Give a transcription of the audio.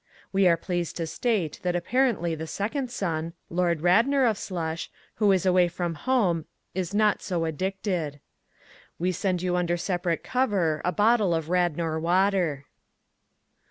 We are pleased to state that apparently the second son, Lord Radnor of Slush, who is away from home is not so addicted. We send you under separate cover a bottle of Radnor water.